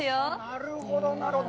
なるほど、なるほど。